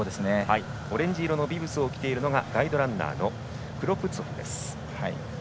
オレンジ色のビブスがガイドランナーのクロプツォフです。